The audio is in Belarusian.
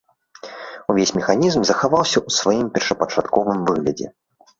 Увесь механізм захаваўся ў сваім першапачатковым выглядзе.